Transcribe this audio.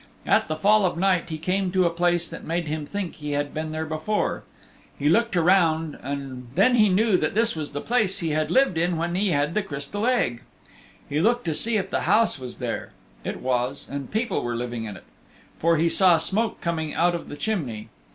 At the fall of night he came to a place that made him think he had been there before: he looked around and then he knew that this was the place he had lived in when he had the Crystal Egg. He looked to see if the house was there: it was, and people were living in it, for he saw smoke coming out of the chimney.